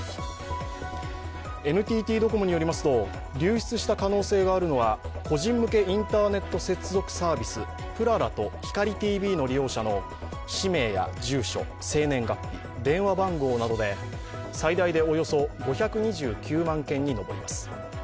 ＮＴＴドコモによりますと流出した可能性があるのは個人向けインターネットサービスぷららとひかりＴＶの利用者の氏名や住所、生年月日、電話番号などで、最大でおよそ５２９万件に上ります。